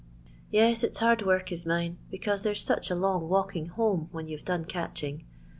" Yes, it 's hard work is mine, becaoie there's such a long walking home when you've done catching.